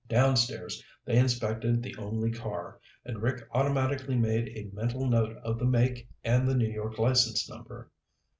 Downstairs, they inspected the only car, and Rick automatically made a mental note of the make and the New York license number.